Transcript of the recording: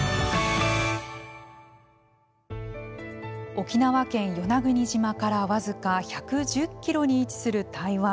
沖縄県、与那国島から僅か１１０キロに位置する台湾。